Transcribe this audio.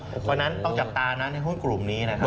เพราะฉะนั้นต้องจับตานะในหุ้นกลุ่มนี้นะครับ